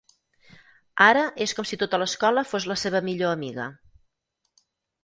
Ara és com si tota l'escola fos la seva millor amiga.